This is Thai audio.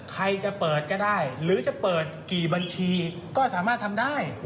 ใครจะเปิดก็ได้หรือจะเปิดกี่บัญชีก็สามารถทำได้